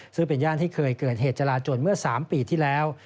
ซึ่งเป็นย่านที่เคยเกิดเหตุจราจนเมื่อ๓ปีที่แล้ว